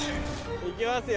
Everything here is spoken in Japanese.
いきますよ